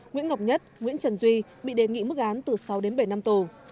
nguyễn ngọc nhất nguyễn trần duy bị đề nghị mức án từ sáu đến bảy năm tù